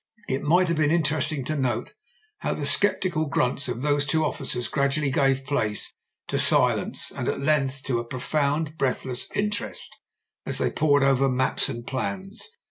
It might have been inter esting to note how the sceptical grunts of those two officers gradually gave place to silence, and at length to a profound, breathless interest, as they pored over maps and plans.